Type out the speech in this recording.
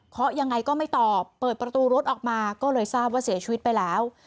ยังไงก็ไม่ตอบเปิดประตูรถออกมาก็เลยทราบว่าเสียชีวิตไปแล้ว